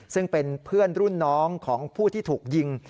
ซึ่งเป็นเพื่อนรุ่นน้องของผู้ที่ถูกยิง